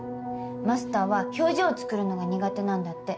マスターは表情つくるのが苦手なんだって。